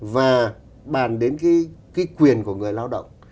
và bàn đến cái quyền của người lao động